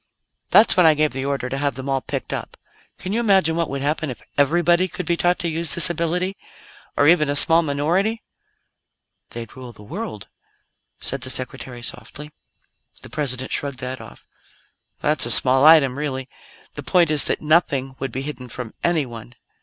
"That's when I gave the order to have them all picked up. Can you imagine what would happen if everybody could be taught to use this ability? Or even a small minority?" "They'd rule the world," said the Secretary softly. The President shrugged that off. "That's a small item, really. The point is that nothing would be hidden from anyone.